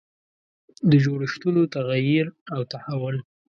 د جوړښتونو تغییر او تحول.